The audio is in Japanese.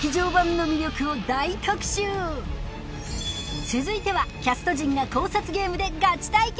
の魅力を大特集続いてはキャスト陣が考察ゲームでガチ対決！